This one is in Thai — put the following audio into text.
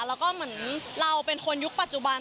แล้วก็เหมือนเราเป็นคนยุคปัจจุบัน